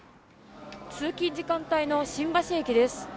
通勤時間帯の新橋駅です。